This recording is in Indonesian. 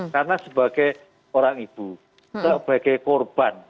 karena sebagai orang ibu sebagai korban